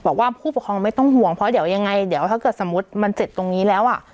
บอกว่าผู้ปกครองไม่ต้องห่วงเพราะเดี๋ยวยังไงเดี๋ยวถ้าเกิดสมมุติมันเจ็บตรงนี้แล้วอ่ะ